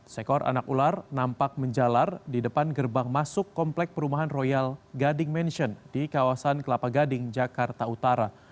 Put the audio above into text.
seekor anak ular nampak menjalar di depan gerbang masuk komplek perumahan royal gading mention di kawasan kelapa gading jakarta utara